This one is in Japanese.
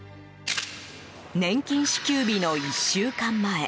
年金支給日の１週間前。